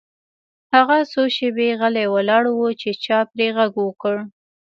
هغه څو شیبې غلی ولاړ و چې چا پرې غږ وکړ